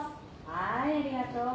はいありがとう。